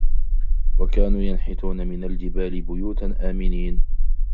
وكانوا ينحتون من الجبال بيوتا آمنين